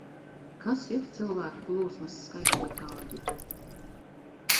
Kas ir cilvēku plūsmas skaitītāji?